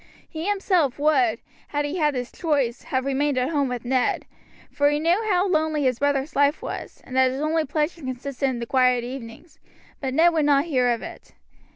He himself would, had he had his choice, have remained at home with Ned, for he knew how lonely his brother's life was, and that his only pleasure consisted in the quiet evenings; but Ned would not hear of it.